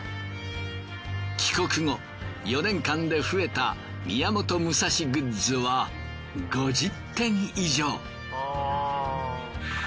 帰国後４年間で増えた宮本武蔵グッズは５０点以上。